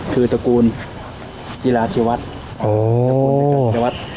คือตระกูลที่วัดโอ้โหที่วัด